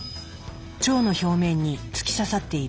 腸の表面に突き刺さっている。